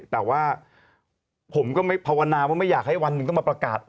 แต่ว่าผมก็ไม่ภาวนาว่าไม่อยากให้วันหนึ่งต้องมาประกาศ